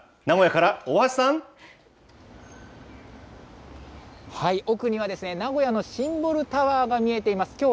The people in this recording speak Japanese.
名古屋から、大橋奥にはですね、名古屋にシンボルタワーが見えています。